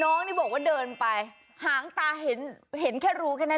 น้องนี่บอกว่าเดินไปหางตาเห็นเห็นแค่รูแค่นั้น